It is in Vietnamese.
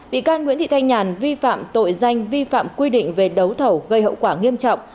bị can nguyễn thị thanh nhàn vi phạm tội danh vi phạm quy định về đấu thầu gây hậu quả nghiêm trọng